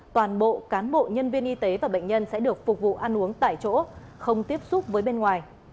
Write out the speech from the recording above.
toàn bộ cán bộ nhân viên y tế và bệnh nhân sẽ được phục vụ ăn uống tại chỗ không tiếp xúc với bên ngoài